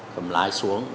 cầm lái xuống